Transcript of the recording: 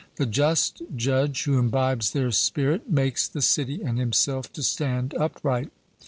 The just judge, who imbibes their spirit, makes the city and himself to stand upright.